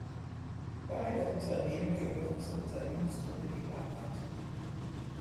Beide Unternehmen gehören zur Unternehmensgruppe Eberhardt.